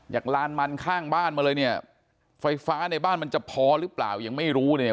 ลานมันข้างบ้านมาเลยเนี่ยไฟฟ้าในบ้านมันจะพอหรือเปล่ายังไม่รู้เนี่ย